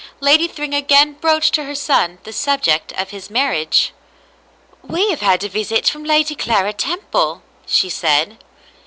Lady Thryng again broached to her son the subject of his marriage. *'We have had a visit from Lady Clara Temple," she said.